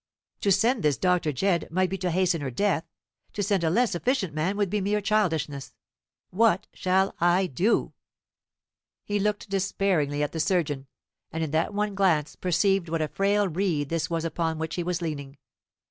"To send this Dr. Jedd might be to hasten her death; to send a less efficient man would be mere childishness. WHAT shall I do?" He looked despairingly at the surgeon, and in that one glance perceived what a frail reed this was upon which he was leaning.